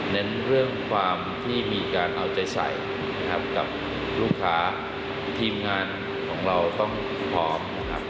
เน้นเรื่องความที่มีการเอาใจใสกับลูกค้าทีมงานของเราต้องพร้อม